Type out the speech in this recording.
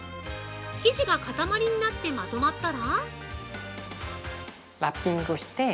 生地が塊になってまとまったら◆